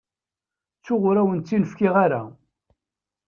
Ttuɣ, ur awen-tt-in-fkiɣ ara.